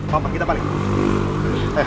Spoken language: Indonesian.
pak amar kita balik